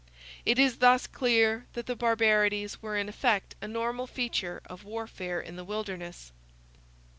It is thus clear that the barbarities were in effect a normal feature of warfare in the wilderness.